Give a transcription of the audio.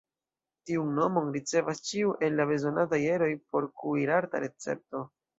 Tiun nomon ricevas ĉiu el la bezonataj eroj por kuir-arta recepto.